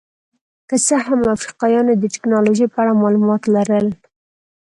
که څه هم افریقایانو د ټکنالوژۍ په اړه معلومات لرل.